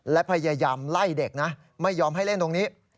และพยายามไล่เด็กนะไม่ยอมให้เล่นตรงนี้